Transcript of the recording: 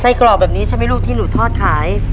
กรอบแบบนี้ใช่ไหมลูกที่หนูทอดขาย